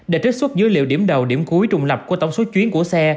để trích xuất dữ liệu điểm đầu điểm cuối trùng lập của tổng số chuyến của xe